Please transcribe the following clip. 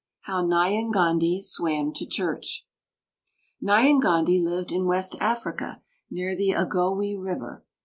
HOW NYANGANDI SWAM TO CHURCH Nyangandi lived in west Africa, near the Ogowe River.